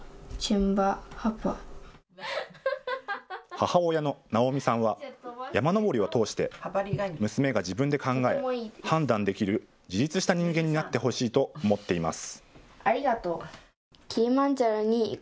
母親の直美さんは山登りを通して娘が自分で考え、判断できる自立した人間になってほしいと思っています。